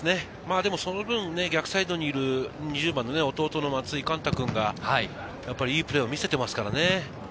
その分、逆サイドにいる２０番の弟の松井貫太君がいいプレーを見せていますからね。